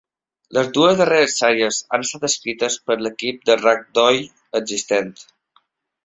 Les dues darreres sèries han estat escrites per l'equip de Ragdoll existent.